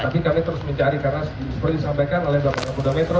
tapi kami terus mencari karena seperti disampaikan oleh bapak kapolda metro